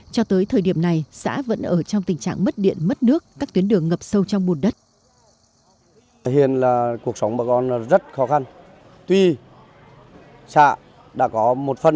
cho tới thời điểm này xã vẫn ở trong tình trạng mất điện mất nước các tuyến đường ngập sâu trong bùn đất